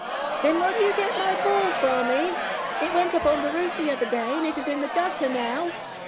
"Then will you get my ball for me? It went up on the roof the other day, and it is in the gutter now."